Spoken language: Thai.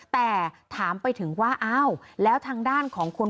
แต่ถามไปถึงว่าอ้าวแล้วทางด้านของคุณ